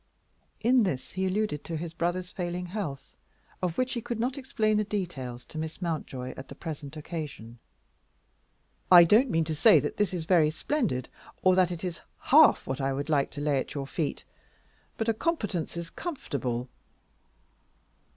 In this he alluded to his brother's failing health, of which he could not explain the details to Miss Mountjoy on the present occasion. "I don't mean to say that this is very splendid, or that it is half what I should like to lay at your feet. But a competence is comfortable."